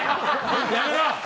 やめろ！